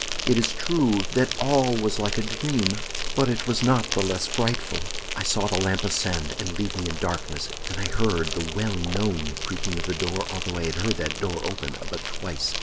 It is true that all was like a dream, but it was not the less frightful. "I saw the lamp ascend, and leave me in darkness; then I heard the well known creaking of the door although I had heard that door open but twice.